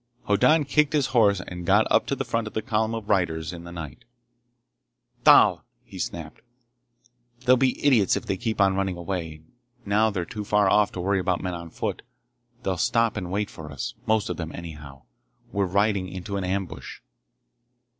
Hoddan kicked his horse and got up to the front of the column of riders in the night. "Thal!" he snapped. "They'll be idiots if they keep on running away, now they're too far off to worry about men on foot. They'll stop and wait for us—most of them anyhow. We're riding into an ambush!"